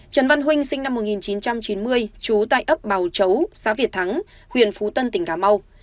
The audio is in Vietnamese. trần văn huynh sinh năm một nghìn chín trăm chín mươi chú tại ấp bào chấu xã việt thắng huyện phú tân tỉnh cà mau